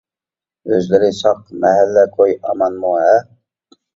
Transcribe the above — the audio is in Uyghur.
ئۆزلىرى ساق، مەھەللە كوي ئامانمۇ؟ -ھە.